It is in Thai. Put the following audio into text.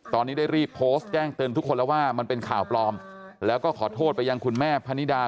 ตอนนี้ได้รีบโพสต์แจ้งเตือนทุกคนแล้วว่ามันเป็นข่าวปลอมแล้วก็ขอโทษไปยังคุณแม่พนิดา